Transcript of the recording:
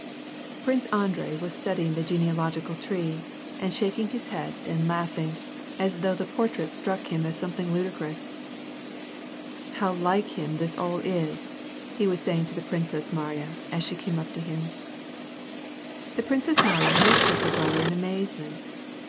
Prince Andrei was studying this genealogical tree, and shaking his head and laiighing, as though the portrait struck him as something ludicrous. "How like him this all is !" he was saying to the Princess Mariya^ as she came up to him. The Princess Mariya looked at her brother in amazement.